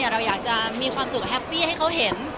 เราอยากจะมีความสุขแฮปปี้ให้เขาเห็น